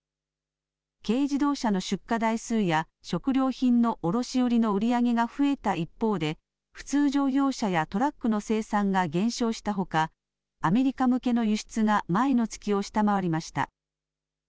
軽自動車の出荷台数や、食料品の卸売りの売り上げが増えた一方で、普通乗用車やトラックの生産が減少したほか、アメリカ向けの輸出が前の月を下回りました。